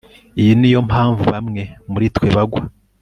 Iyi niyo mpamvu bamwe muri twe bagwa